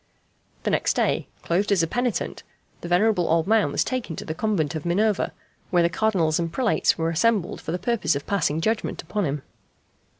The next day, clothed as a penitent, the venerable old man was taken to the Convent of Minerva, where the Cardinals and prelates were assembled for the purpose of passing judgment upon him.